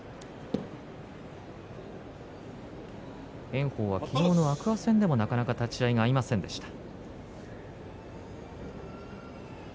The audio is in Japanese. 炎鵬は昨日の天空海戦でもなかなか立ち合いが合いませんでした。